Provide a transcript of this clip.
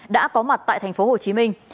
đã có mặt tại thành phố hồ chí minh